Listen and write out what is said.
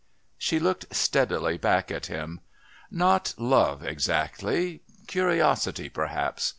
She looked steadily back at him. "Not love exactly. Curiosity, perhaps.